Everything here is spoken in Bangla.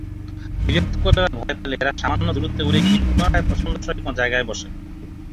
বিরক্ত করলে বা ভয় পেলে এরা সামান্য দূরত্ব উড়ে গিয়ে পুনরায় পছন্দসই কোনো জায়গায় বসে।